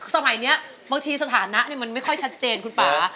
สมัยนี้บางทีสถานะมันไม่ค่อยชัดเจนคุณป่า